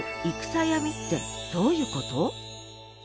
「いくさやみ」ってどういうこと？